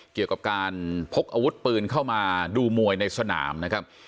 เกี่ยวกับการพกอาวุธปืนเข้ามาดูมวยในสนามนะครับ